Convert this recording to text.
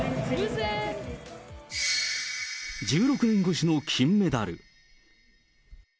１６年越しの金メダル。